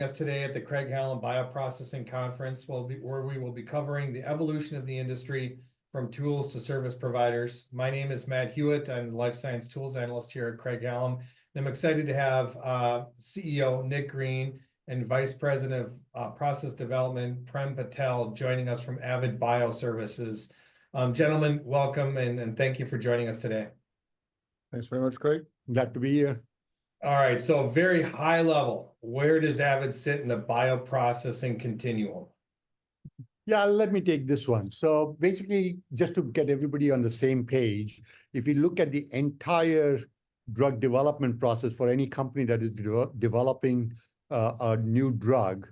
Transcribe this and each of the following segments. us today at the Craig-Hallum Bioprocessing Conference, where we will be covering the evolution of the industry from tools to service providers. My name is Matt Hewitt. I'm the Life Science Tools Analyst here at Craig-Hallum, and I'm excited to have CEO Nick Green and Vice President of Process Development, Prem Patel, joining us from Avid Bioservices. Gentlemen, welcome, and thank you for joining us today. Thanks very much, Craig. Glad to be here. All right, so very high level, where does Avid sit in the bioprocessing continuum? Yeah, let me take this one. So basically, just to get everybody on the same page, if you look at the entire drug development process for any company that is developing a new drug,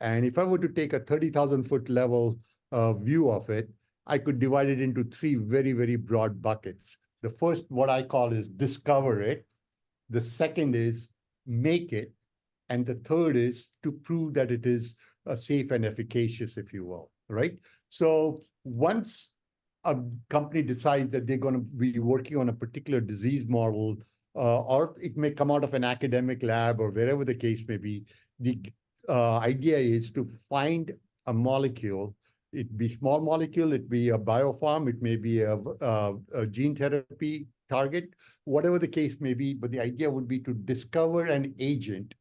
and if I were to take a 30,000-foot level view of it, I could divide it into three very, very broad buckets. The first, what I call, is discover it, the second is make it, and the third is to prove that it is safe and efficacious, if you will, right? So once a company decides that they're gonna be working on a particular disease model, or it may come out of an academic lab or wherever the case may be, the idea is to find a molecule. It'll be small molecule, it'll be a biopharm, it may be a gene therapy target, whatever the case may be, but the idea would be to discover an agent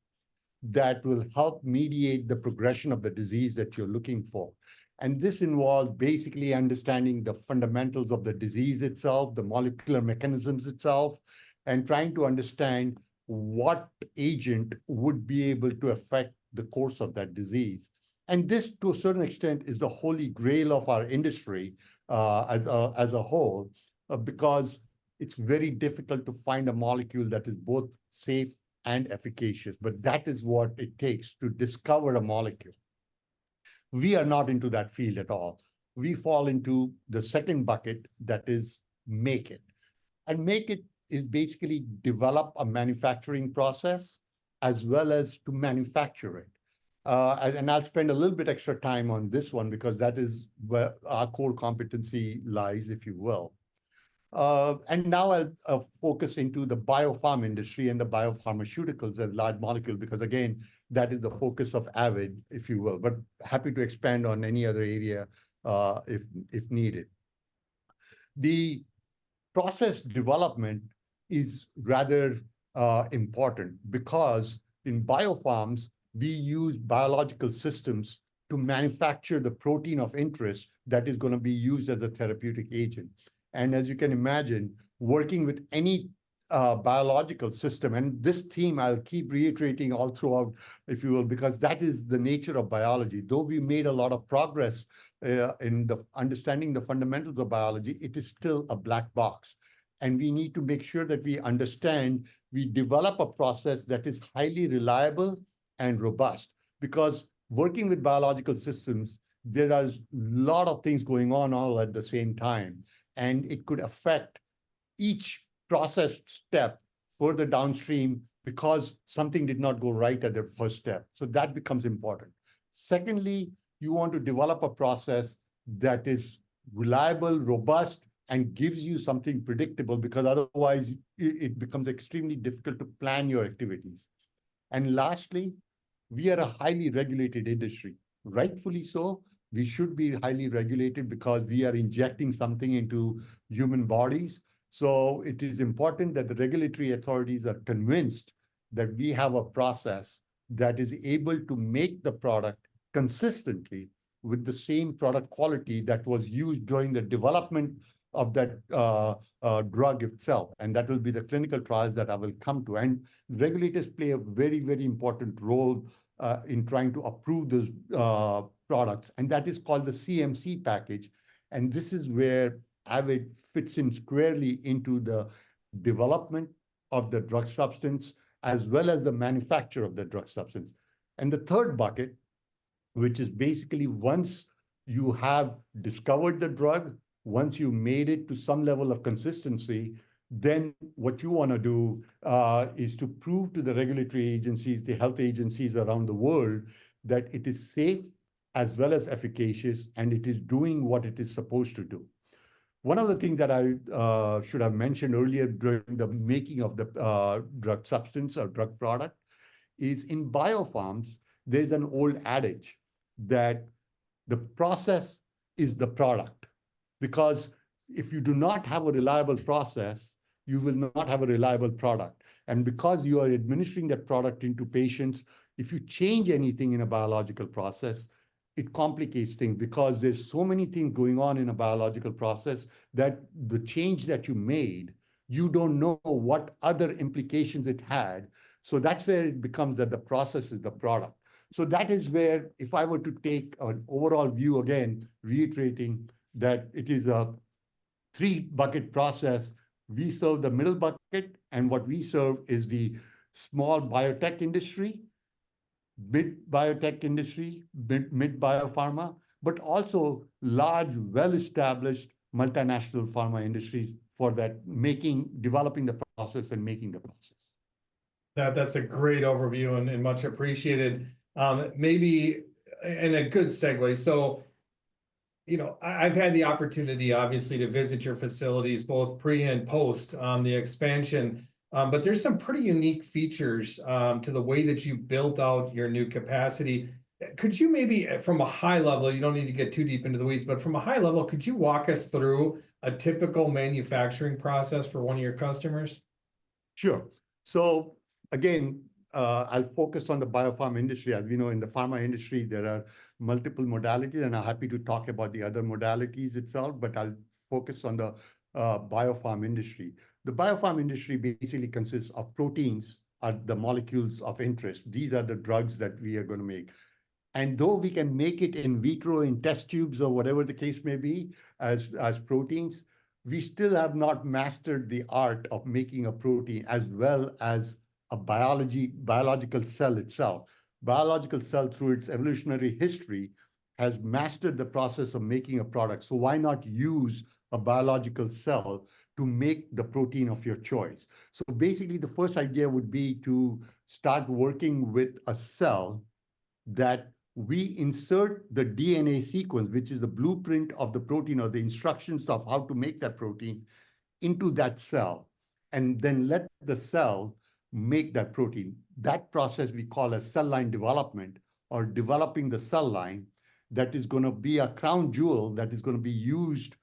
that will help mediate the progression of the disease that you're looking for. And this involves basically understanding the fundamentals of the disease itself, the molecular mechanisms itself, and trying to understand what agent would be able to affect the course of that disease. And this, to a certain extent, is the holy grail of our industry, as a whole, because it's very difficult to find a molecule that is both safe and efficacious, but that is what it takes to discover a molecule. We are not into that field at all. We fall into the second bucket, that is, make it. And what it is basically to develop a manufacturing process as well as to manufacture it. And I'll spend a little bit extra time on this one because that is where our core competency lies, if you will. And now focusing on the biopharm industry and the biopharmaceuticals as large molecule, because again, that is the focus of Avid, if you will, but happy to expand on any other area, if needed. The process development is rather important because in biopharms, we use biological systems to manufacture the protein of interest that is gonna be used as a therapeutic agent. And as you can imagine, working with any biological system, and this theme I'll keep reiterating all throughout, if you will, because that is the nature of biology. Though we made a lot of progress in understanding the fundamentals of biology, it is still a black box, and we need to make sure that we understand, we develop a process that is highly reliable and robust. Because working with biological systems, there are a lot of things going on all at the same time, and it could affect each process step further downstream because something did not go right at the first step, so that becomes important. Secondly, you want to develop a process that is reliable, robust, and gives you something predictable because otherwise, it becomes extremely difficult to plan your activities. And lastly, we are a highly regulated industry. Rightfully so, we should be highly regulated because we are injecting something into human bodies. So it is important that the regulatory authorities are convinced that we have a process that is able to make the product consistently with the same product quality that was used during the development of that drug itself, and that will be the clinical trials that I will come to. And regulators play a very, very important role in trying to approve these products, and that is called the CMC package, and this is where Avid fits in squarely into the development of the drug substance, as well as the manufacture of the drug substance. The third bucket, which is basically once you have discovered the drug, once you made it to some level of consistency, then what you wanna do is to prove to the regulatory agencies, the health agencies around the world, that it is safe as well as efficacious, and it is doing what it is supposed to do. One of the things that I should have mentioned earlier during the making of the drug substance or drug product is in biopharms, there's an old adage that the process is the product. Because if you do not have a reliable process, you will not have a reliable product, and because you are administering that product into patients, if you change anything in a biological process, it complicates things. Because there's so many things going on in a biological process, that the change that you made, you don't know what other implications it had. So that's where it becomes that the process is the product. So that is where if I were to take an overall view, again, reiterating that it is a three-bucket process. We serve the middle bucket, and what we serve is the small biotech industry, mid-biotech industry, mid-biopharma, but also large, well-established multinational pharma industries for that making... developing the process and making the process. That, that's a great overview and much appreciated. Maybe, and a good segue, you know, I've had the opportunity, obviously, to visit your facilities, both pre and post on the expansion. But there's some pretty unique features to the way that you've built out your new capacity. Could you maybe, from a high level, you don't need to get too deep into the weeds, but from a high level, could you walk us through a typical manufacturing process for one of your customers? Sure. So again, I'll focus on the biopharm industry. As you know, in the pharma industry, there are multiple modalities, and I'm happy to talk about the other modalities itself, but I'll focus on the biopharm industry. The biopharm industry basically consists of proteins are the molecules of interest. These are the drugs that we are gonna make. And though we can make it in vitro, in test tubes, or whatever the case may be, as, as proteins, we still have not mastered the art of making a protein as well as a biological cell itself. Biological cell, through its evolutionary history, has mastered the process of making a product, so why not use a biological cell to make the protein of your choice? Basically, the first idea would be to start working with a cell that we insert the DNA sequence, which is the blueprint of the protein or the instructions of how to make that protein, into that cell, and then let the cell make that protein. That process we call a cell line development or developing the cell line that is gonna be a crown jewel, that is gonna be used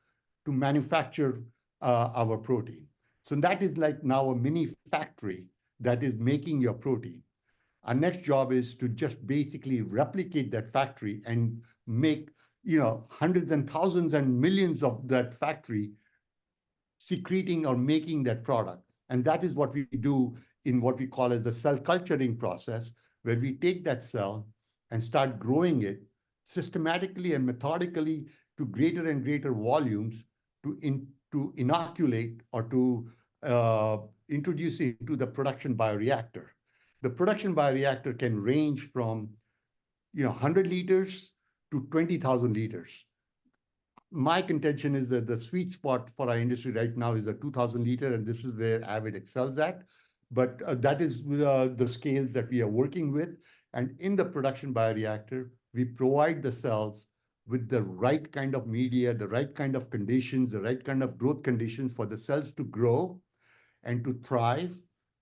to manufacture our protein. That is like now a mini factory that is making your protein. Our next job is to just basically replicate that factory and make, you know, hundreds and thousands and millions of that factory, secreting or making that product, and that is what we do in what we call as the cell culturing process, where we take that cell and start growing it systematically and methodically to greater and greater volumes, to inoculate or to introduce it into the production bioreactor. The production bioreactor can range from, you know, 100 L to 20,000 L. My contention is that the sweet spot for our industry right now is a 2,000 L, and this is where Avid excels at, but that is the scales that we are working with. In the production bioreactor, we provide the cells with the right kind of media, the right kind of conditions, the right kind of growth conditions for the cells to grow and to thrive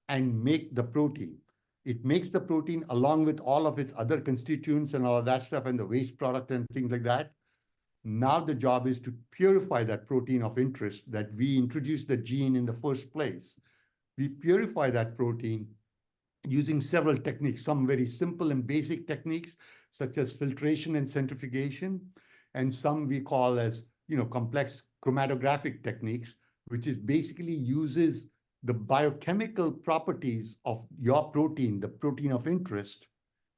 and make the protein. It makes the protein along with all of its other constituents and all of that stuff, and the waste product, and things like that. Now, the job is to purify that protein of interest that we introduced the gene in the first place. We purify that protein using several techniques, some very simple and basic techniques, such as filtration and centrifugation, and some we call as, you know, complex chromatographic techniques, which is basically uses the biochemical properties of your protein, the protein of interest,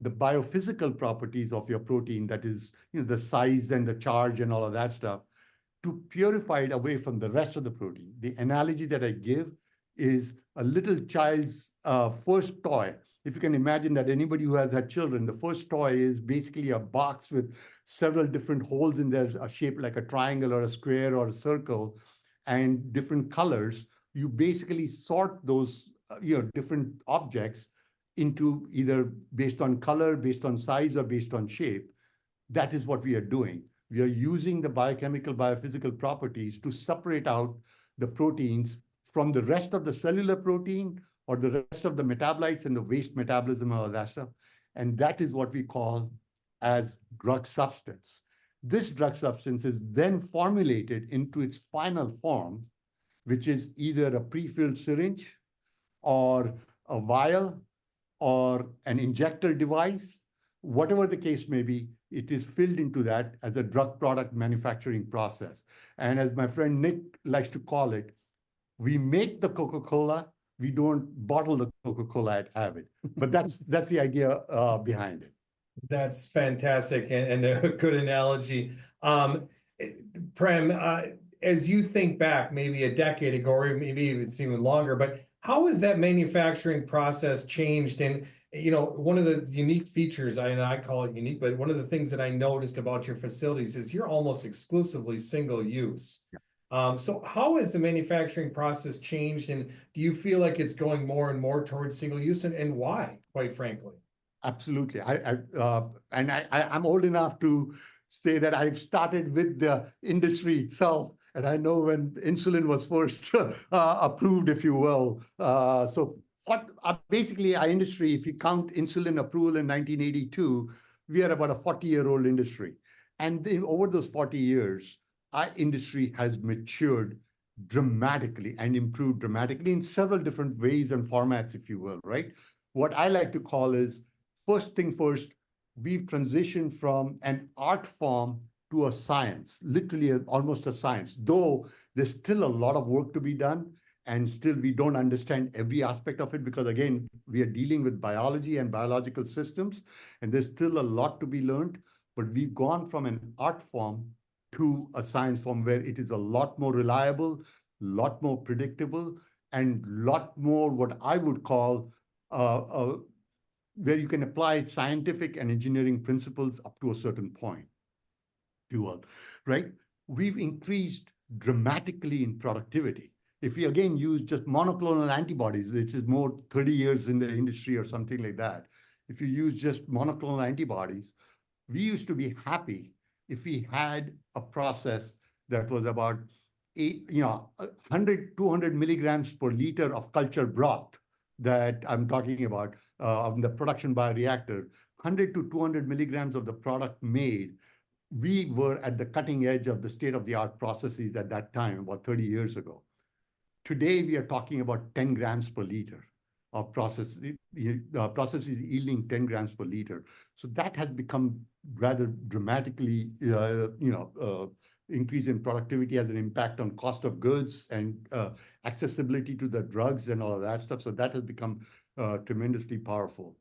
the biophysical properties of your protein, that is, you know, the size and the charge and all of that stuff, to purify it away from the rest of the protein. The analogy that I give is a little child's first toy. If you can imagine that, anybody who has had children, the first toy is basically a box with several different holes in there, are shaped like a triangle or a square or a circle, and different colors. You basically sort those, you know, different objects into either based on color, based on size, or based on shape. That is what we are doing. We are using the biochemical, biophysical properties to separate out the proteins from the rest of the cellular protein or the rest of the metabolites and the waste metabolism, all of that stuff, and that is what we call as drug substance. This drug substance is then formulated into its final form, which is either a pre-filled syringe or a vial or an injector device. Whatever the case may be, it is filled into that as a drug product manufacturing process. And as my friend Nick likes to call it, we make the Coca-Cola, we don't bottle the Coca-Cola at Avid. But that's the idea behind it. That's fantastic, and a good analogy. Prem, as you think back maybe a decade ago, or maybe even longer, but how has that manufacturing process changed? You know, one of the unique features, I know I call it unique, but one of the things that I noticed about your facilities is you're almost exclusively single-use. Yeah. So how has the manufacturing process changed, and do you feel like it's going more and more towards single use, and why, quite frankly? Absolutely. And I'm old enough to say that I've started with the industry itself, and I know when insulin was first approved, if you will. Basically, our industry, if you count insulin approval in 1982, we are about a 40-year-old industry. And over those 40 years, our industry has matured dramatically and improved dramatically in several different ways and formats, if you will, right? What I like to call is, first thing first, we've transitioned from an art form to a science, literally, almost a science. Though there's still a lot of work to be done, and still we don't understand every aspect of it, because again, we are dealing with biology and biological systems, and there's still a lot to be learned, but we've gone from an art form to a science form, where it is a lot more reliable, lot more predictable, and lot more what I would call, where you can apply scientific and engineering principles up to a certain point, if you will, right?... We've increased dramatically in productivity. If we, again, use just monoclonal antibodies, which is more 30 years in the industry or something like that, if you use just monoclonal antibodies, we used to be happy if we had a process that was about eight, you know, 100 mg/L-200 mg/L of culture broth that I'm talking about, of the production bioreactor. 100 mg-200 mg of the product made, we were at the cutting edge of the state-of-the-art processes at that time, about 30 years ago. Today, we are talking about 10 g/L of process, processes yielding 10 g/L. So that has become rather dramatically, you know, increase in productivity has an impact on cost of goods and, accessibility to the drugs and all of that stuff, so that has become, tremendously powerful.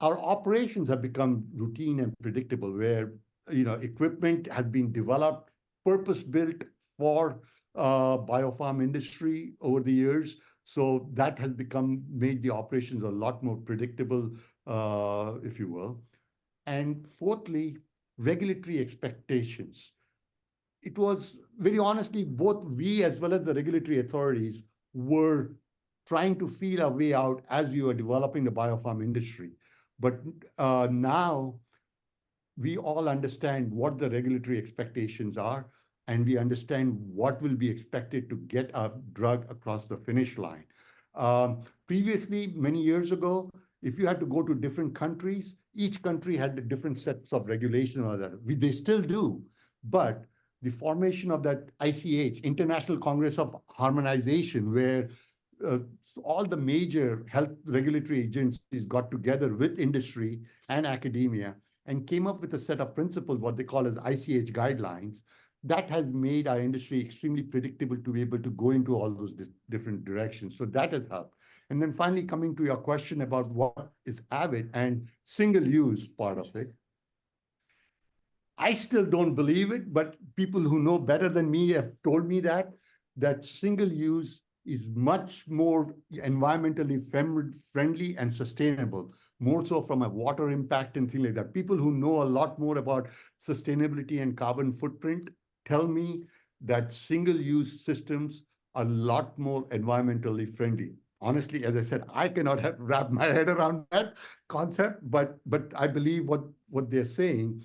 Our operations have become routine and predictable, where, you know, equipment has been developed, purpose-built for, biopharm industry over the years. So that has become made the operations a lot more predictable, if you will. And fourthly, regulatory expectations. It was, very honestly, both we as well as the regulatory authorities, were trying to feel our way out as we were developing the biopharm industry. Now we all understand what the regulatory expectations are, and we understand what will be expected to get a drug across the finish line. Previously, many years ago, if you had to go to different countries, each country had a different sets of regulation on that. They still do, but the formation of that ICH, International Council for Harmonisation, where, all the major health regulatory agencies got together with industry and academia and came up with a set of principles, what they call as ICH Guidelines, that has made our industry extremely predictable to be able to go into all those different directions. So that has helped. And then finally, coming to your question about what is Avid and single-use part of it. I still don't believe it, but people who know better than me have told me that single-use is much more environmentally friendly and sustainable, more so from a water impact and things like that. People who know a lot more about sustainability and carbon footprint tell me that single-use systems are a lot more environmentally friendly. Honestly, as I said, I cannot wrap my head around that concept, but I believe what they're saying.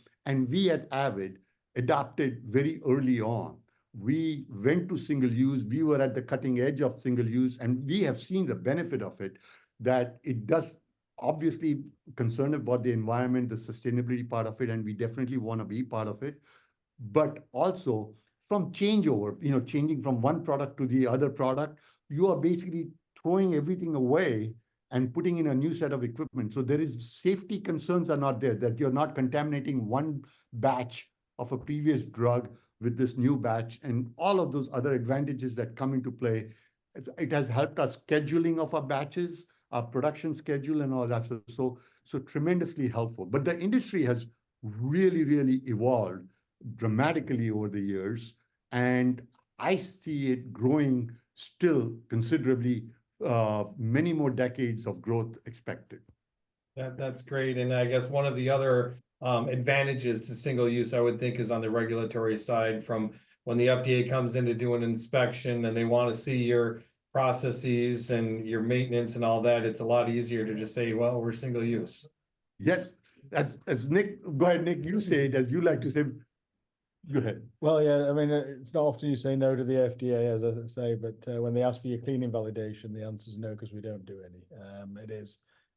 We at Avid adopted very early on. We went to single-use. We were at the cutting edge of single-use, and we have seen the benefit of it, that it does. Obviously, concerned about the environment, the sustainability part of it, and we definitely wanna be part of it. But also from changeover, you know, changing from one product to the other product, you are basically throwing everything away and putting in a new set of equipment. So there is safety concerns are not there, that you're not contaminating one batch of a previous drug with this new batch, and all of those other advantages that come into play. It, it has helped us scheduling of our batches, our production schedule and all that, so, so, so tremendously helpful. But the industry has really, really evolved dramatically over the years, and I see it growing still considerably, many more decades of growth expected. That, that's great, and I guess one of the other, advantages to single use, I would think, is on the regulatory side. From when the FDA comes in to do an inspection, and they wanna see your processes and your maintenance and all that, it's a lot easier to just say, "Well, we're single use. Yes. As Nick... Go ahead, Nick. You say it as you like to say. Go ahead. Well, yeah, I mean, it's not often you say no to the FDA, as I say, but when they ask for your cleaning validation, the answer is no, 'cause we don't do any.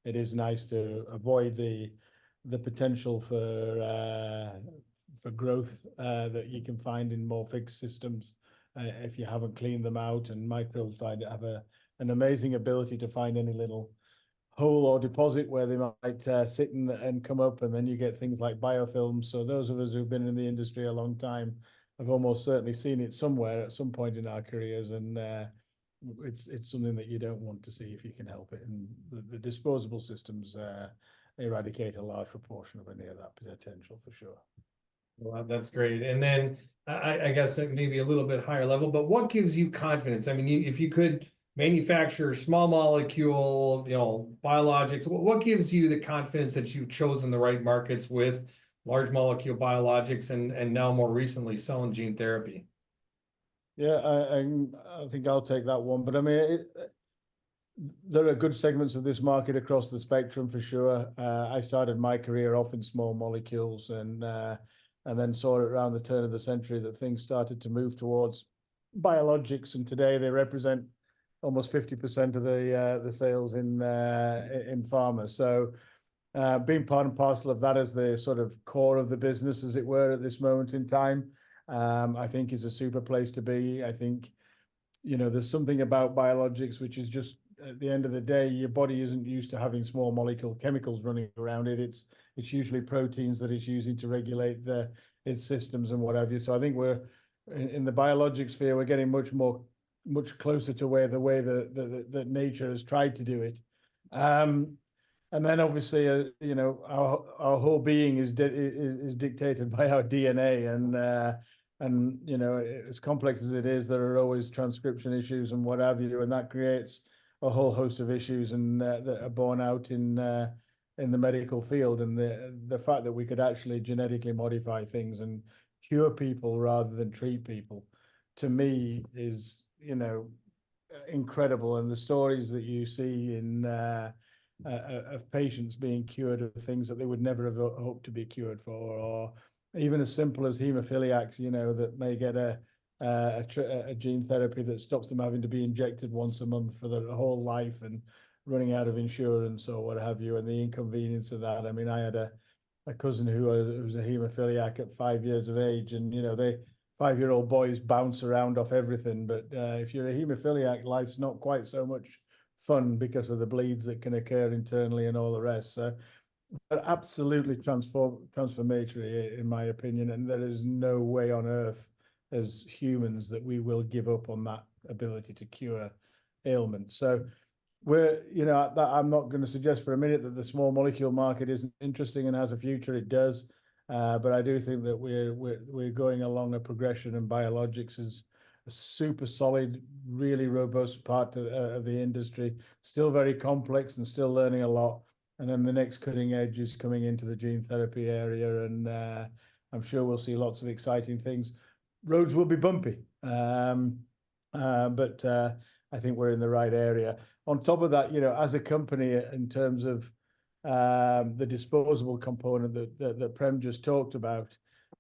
It is nice to avoid the potential for growth that you can find in more fixed systems if you haven't cleaned them out, and microbes like to have an amazing ability to find any little hole or deposit where they might sit and come up, and then you get things like biofilms. So those of us who've been in the industry a long time have almost certainly seen it somewhere at some point in our careers, and it's something that you don't want to see if you can help it. The disposable systems eradicate a large proportion of any of that potential, for sure. Well, that's great. And then, I guess maybe a little bit higher level, but what gives you confidence? I mean, if you could manufacture small molecule, you know, biologics, what gives you the confidence that you've chosen the right markets with large molecule biologics and now more recently, selling gene therapy? Yeah, I think I'll take that one, but I mean, there are good segments of this market across the spectrum, for sure. I started my career off in small molecules and then saw it around the turn of the century that things started to move towards biologics, and today they represent almost 50% of the sales in pharma, so being part and parcel of that as the sort of core of the business, as it were, at this moment in time, I think is a super place to be. I think, you know, there's something about biologics, which is just, at the end of the day, your body isn't used to having small molecule chemicals running around it. It's usually proteins that it's using to regulate its systems and what have you. So I think we're in the biologics sphere, we're getting much more, much closer to the way that nature has tried to do it. And then obviously, you know, our whole being is dictated by our DNA, and, you know, as complex as it is, there are always transcription issues and what have you, and that creates a whole host of issues that are borne out in the medical field. And the fact that we could actually genetically modify things and cure people rather than treat people, to me, is, you know... Incredible, and the stories that you see in, of patients being cured of things that they would never have hoped to be cured for, or even as simple as hemophiliacs, you know, that may get a gene therapy that stops them having to be injected once a month for their whole life and running out of insurance or what have you, and the inconvenience of that. I mean, I had a cousin who was a hemophiliac at five years of age, and, you know, they... five-year-old boys bounce around off everything, but if you're a hemophiliac, life's not quite so much fun because of the bleeds that can occur internally and all the rest. But absolutely transformational in my opinion, and there is no way on earth as humans that we will give up on that ability to cure ailments. You know, I'm not gonna suggest for a minute that the small molecule market isn't interesting and has a future. It does. But I do think that we're going along a progression, and biologics is a super solid, really robust part of the industry. Still very complex and still learning a lot, and then the next cutting edge is coming into the gene therapy area, and I'm sure we'll see lots of exciting things. Roads will be bumpy, but I think we're in the right area. On top of that, you know, as a company, in terms of the disposable component that Prem just talked about,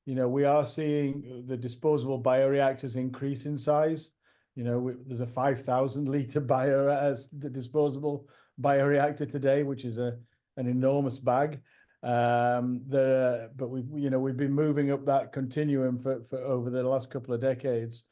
you know, we are seeing the disposable bioreactors increase in size. You know, there's a 5,000 L disposable bioreactor today, which is an enormous bag. But we've, you know, we've been moving up that continuum for over the last couple of decades.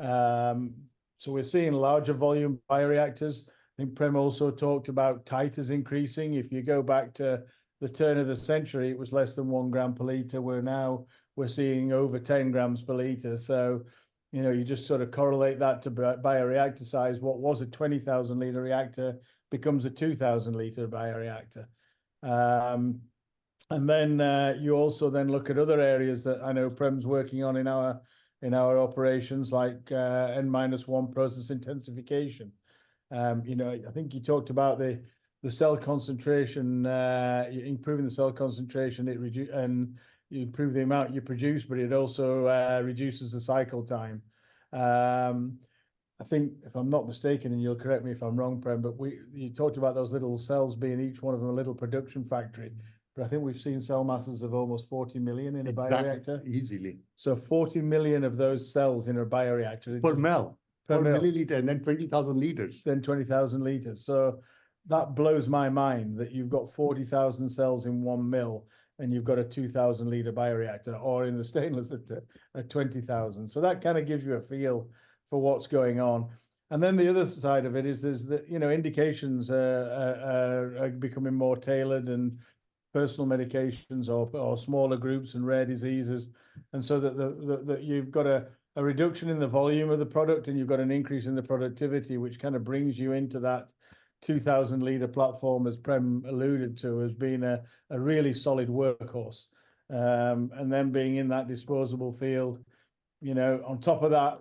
So we're seeing larger volume bioreactors. I think Prem also talked about titers increasing. If you go back to the turn of the century, it was less than 1 g/L, where now we're seeing over 10 g/L. So, you know, you just sort of correlate that to bioreactor size. What was a 20,000 L reactor becomes a 2,000 L bioreactor. And then, you also then look at other areas that I know Prem's working on in our operations, like N-1 process intensification. You know, I think you talked about the cell concentration, improving the cell concentration, it reduces and you improve the amount you produce, but it also reduces the cycle time. I think, if I'm not mistaken, and you'll correct me if I'm wrong, Prem, but you talked about those little cells being each one of them a little production factory. But I think we've seen cell masses of almost 40 million in a bioreactor. Exactly. Easily. So 40 million of those cells in a bioreactor- Per mil. Per mil. Per milliliter, and then 20,000 L. Then 20,000 L. So that blows my mind, that you've got 40,000 cells in 1 mL, and you've got a 2,000 L bioreactor, or in the stainless, at 20,000. So that kind of gives you a feel for what's going on. And then the other side of it is that, you know, indications are becoming more tailored, and personal medications or smaller groups and rare diseases, and so that the that you've got a reduction in the volume of the product, and you've got an increase in the productivity, which kind of brings you into that 2,000 L platform, as Prem alluded to, as being a really solid workhorse. And then being in that disposable field, you know, on top of that,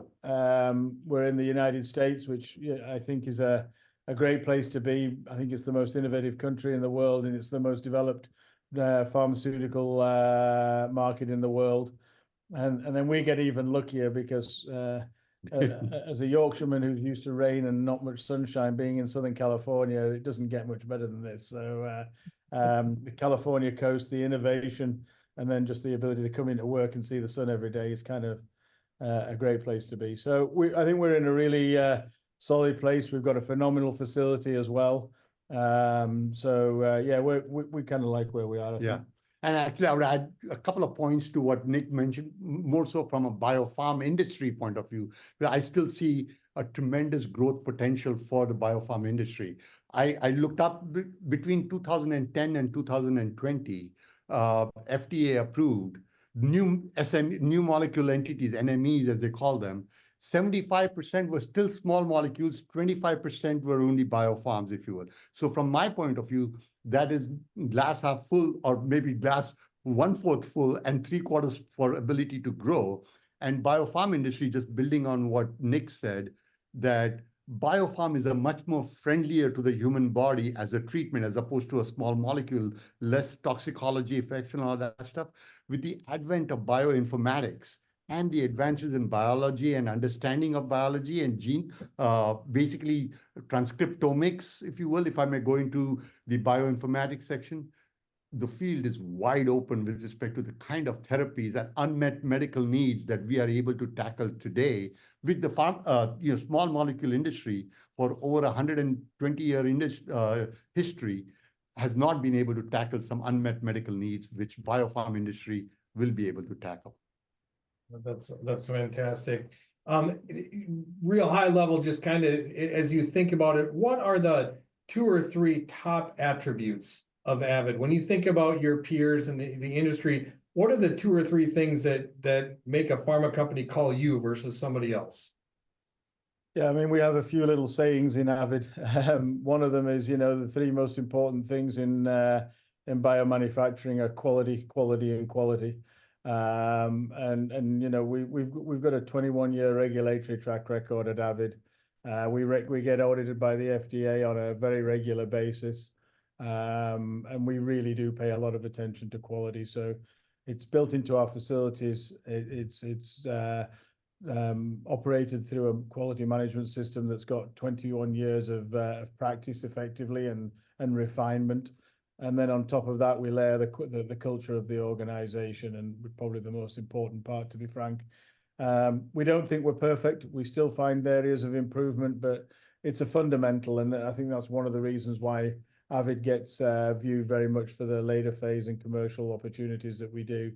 we're in the United States, which, yeah, I think is a great place to be. I think it's the most innovative country in the world, and it's the most developed, pharmaceutical, market in the world. And then we get even luckier because, as a Yorkshireman who's used to rain and not much sunshine, being in Southern California, it doesn't get much better than this. The California coast, the innovation, and then just the ability to come into work and see the sun every day is kind of, a great place to be. I think we're in a really, solid place. We've got a phenomenal facility as well. We kind of like where we are. Yeah. And actually, I'll add a couple of points to what Nick mentioned, more so from a biopharm industry point of view. Yeah, I still see a tremendous growth potential for the biopharm industry. I looked up between 2010 and 2020, FDA-approved new molecular entities, NMEs, as they call them. 75% were still small molecules, 25% were only biopharms, if you will. So from my point of view, that is glass half full or maybe glass 1/4 full and 3/4 for ability to grow. And biopharm industry, just building on what Nick said, that biopharm is a much more friendlier to the human body as a treatment as opposed to a small molecule, less toxicology effects and all that stuff. With the advent of bioinformatics and the advances in biology and understanding of biology and gene, basically transcriptomics, if you will, if I may go into the bioinformatics section, the field is wide open with respect to the kind of therapies and unmet medical needs that we are able to tackle today. With the pharma, you know, small molecule industry, for over 120-year industry history, has not been able to tackle some unmet medical needs, which biopharm industry will be able to tackle. That's, that's fantastic. Real high level, just kind of as you think about it, what are the two or three top attributes of Avid? When you think about your peers in the industry, what are the two or three things that make a pharma company call you versus somebody else?... Yeah, I mean, we have a few little sayings in Avid. One of them is, you know, the three most important things in biomanufacturing are quality, quality, and quality. And, you know, we've got a 21-year regulatory track record at Avid. We get audited by the FDA on a very regular basis. And we really do pay a lot of attention to quality, so it's built into our facilities. It's operated through a quality management system that's got 21 years of practice effectively and refinement. And then on top of that, we layer the culture of the organization, and probably the most important part, to be frank. We don't think we're perfect. We still find areas of improvement, but it's a fundamental, and I think that's one of the reasons why Avid gets viewed very much for the later phase and commercial opportunities that we do.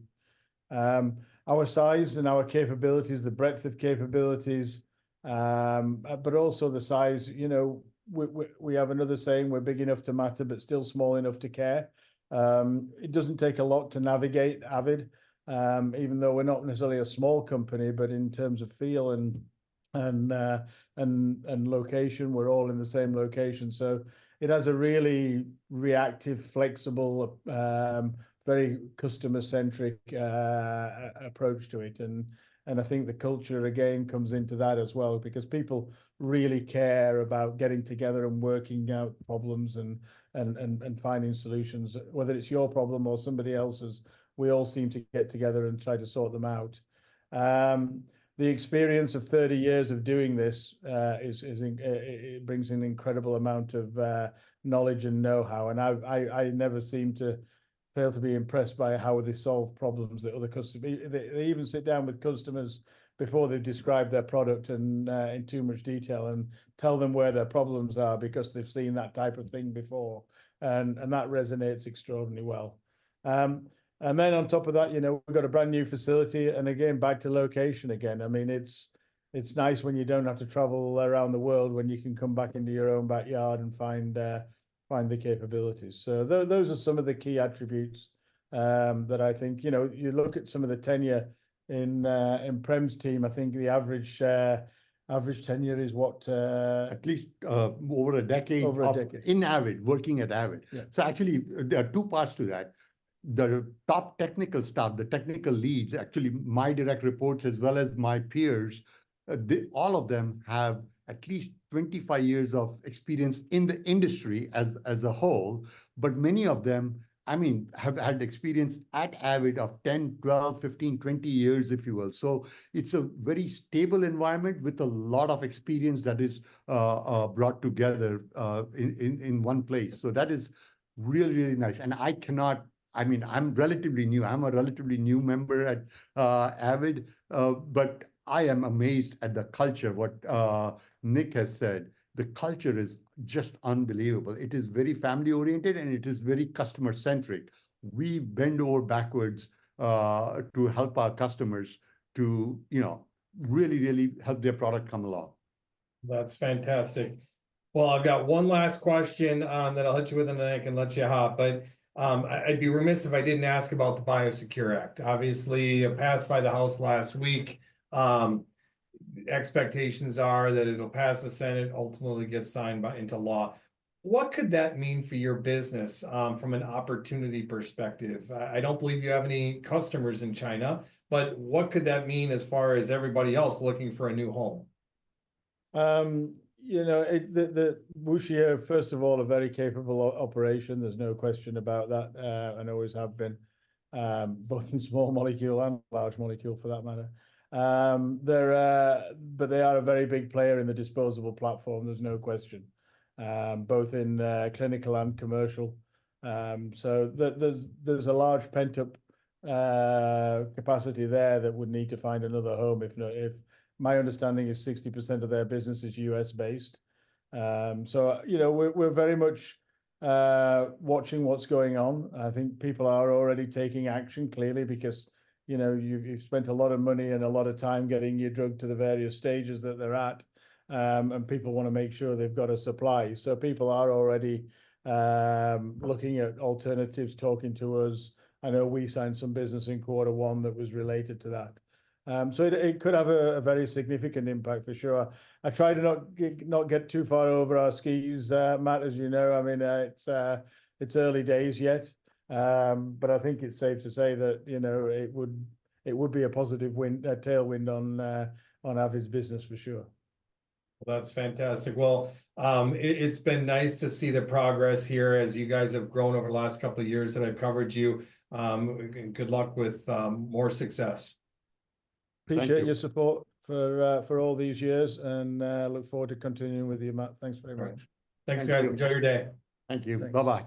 Our size and our capabilities, the breadth of capabilities, but also the size, you know. We have another saying, "We're big enough to matter but still small enough to care." It doesn't take a lot to navigate Avid, even though we're not necessarily a small company, but in terms of feel and location, we're all in the same location. So it has a really reactive, flexible, very customer-centric approach to it. I think the culture, again, comes into that as well, because people really care about getting together and working out problems and finding solutions. Whether it's your problem or somebody else's, we all seem to get together and try to sort them out. The experience of 30 years of doing this is it brings an incredible amount of knowledge and know-how, and I never seem to fail to be impressed by how they solve problems that other customers. They even sit down with customers before they've described their product in too much detail and tell them where their problems are because they've seen that type of thing before, and that resonates extraordinarily well. And then on top of that, you know, we've got a brand-new facility, and again, back to location again, I mean, it's nice when you don't have to travel around the world, when you can come back into your own backyard and find the capabilities. Those are some of the key attributes that I think. You know, you look at some of the tenure in Prem's team. I think the average tenure is what. At least, over a decade- Over a decade.... in Avid, working at Avid. Yeah. So actually, there are two parts to that. The top technical staff, the technical leads, actually my direct reports as well as my peers. All of them have at least 25 years of experience in the industry as a whole, but many of them, I mean, have had experience at Avid of 10, 12, 15, 20 years, if you will. So it's a very stable environment with a lot of experience that is brought together in one place. So that is really, really nice. And I cannot. I mean, I'm relatively new. I'm a relatively new member at Avid, but I am amazed at the culture, what Nick has said. The culture is just unbelievable. It is very family-oriented, and it is very customer-centric. We bend over backwards to help our customers to, you know, really, really help their product come along. That's fantastic. Well, I've got one last question that I'll hit you with, and then I can let you hop. But I'd be remiss if I didn't ask about the BIOSECURE Act. Obviously, it passed by the House last week. Expectations are that it'll pass the Senate, ultimately get signed into law. What could that mean for your business from an opportunity perspective? I don't believe you have any customers in China, but what could that mean as far as everybody else looking for a new home? You know, WuXi, first of all, a very capable operation, there's no question about that, and always have been, both in small molecule and large molecule, for that matter. They're, but they are a very big player in the disposable platform, there's no question, both in clinical and commercial. So there, there's a large pent-up capacity there that would need to find another home if if. My understanding is 60% of their business is U.S.-based. So, you know, we're very much watching what's going on. I think people are already taking action, clearly, because, you know, you've spent a lot of money and a lot of time getting your drug to the various stages that they're at, and people wanna make sure they've got a supply. So people are already looking at alternatives, talking to us. I know we signed some business in quarter one that was related to that. So it could have a very significant impact, for sure. I try to not get too far over our skis, Matt, as you know. I mean, it's early days yet. But I think it's safe to say that, you know, it would be a positive tailwind on Avid's business, for sure. That's fantastic. It's been nice to see the progress here as you guys have grown over the last couple of years that I've covered you, and good luck with more success. Thank you. Thank you. Appreciate your support for all these years, and look forward to continuing with you, Matt. Thanks very much. All right. Thank you. Thanks, guys. Enjoy your day. Thank you. Thanks. Bye-bye.